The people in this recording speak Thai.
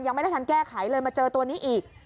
ยังไม่ได้ทันแก้ไขเลยมาเจอตัวนี้อีก